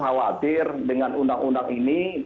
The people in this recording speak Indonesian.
khawatir dengan undang undang ini